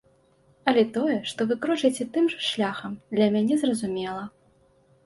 Але тое, што вы крочыце тым жа шляхам, для мяне зразумела.